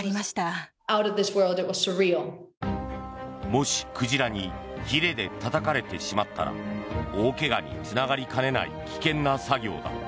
もし、鯨にひれでたたかれてしまったら大怪我につながりかねない危険な作業だ。